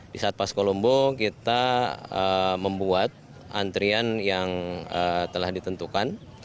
di satpas kolombo kita membuat antrian yang telah ditentukan